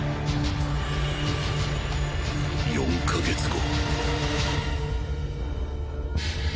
４か月後